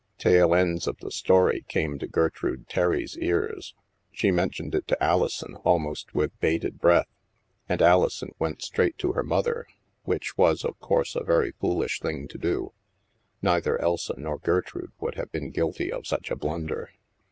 Tail ends of the story came to Gertrude Terry's ears. She mentioned it to Alison, almost with bated breath. And Alison went straight to her mother, which was, of course, a very foolish thing to do. Neither Elsa nor Gertrude would have been guilty of such a blunder.